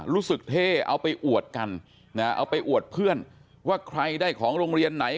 เท่เอาไปอวดกันนะเอาไปอวดเพื่อนว่าใครได้ของโรงเรียนไหน